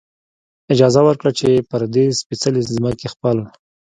اجازه ورکړه، چې پر دې سپېڅلې ځمکې خپل.